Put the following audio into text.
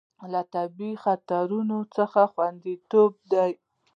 له طبیعي خطرونو څخه خوندیتوب ده.